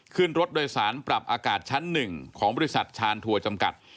ขึ้นรถโดยสารปรับอากาศชั้น๑ของบริษัทชานทัวร์จำกัด